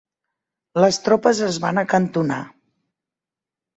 Les tropes es van acantonar.